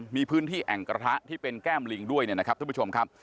มีพื้นที่แอ่งกระทะที่เป็นแก้มลิงด้วยนะครับท่านผู้ชมครับ